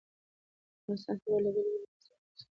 د افغانستان هېواد له بېلابېلو ډولو ځمکه څخه ډک دی.